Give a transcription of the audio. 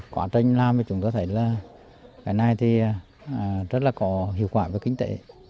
quá trình làm thì chúng ta thấy là cái này thì rất là có hiệu quả với kinh tế